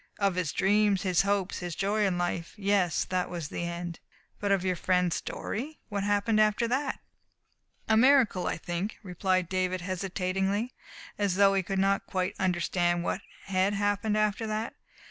"Of his dreams, his hopes, his joy in life yes, that was the end." "But of your friend's story? What happened after that?" "A miracle, I think," replied David hesitatingly, as though he could not quite understand what had happened after that.